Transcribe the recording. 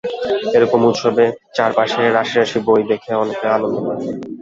এ রকম উৎসবে চারপাশে রাশি রাশি বই দেখেও অনেকে আনন্দ পান।